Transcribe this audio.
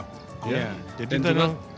hanya itu menurut beliau